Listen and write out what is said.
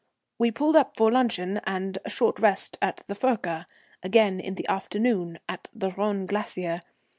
We pulled up for luncheon and a short rest at the Furka; again in the afternoon at the Rhone Glacier.